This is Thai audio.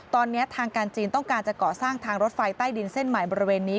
ตอนนี้ทางการจีนต้องการจะก่อสร้างทางรถไฟใต้ดินเส้นใหม่บริเวณนี้